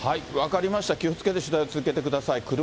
分かりました、気をつけて取材を続けてください。